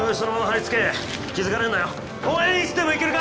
いつでも行けるか！？